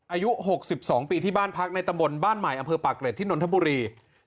อายุ๖๒ปีที่บ้านพักในตำบลบ้านใหม่อำเภอปากเกร็ดที่นนทบุรี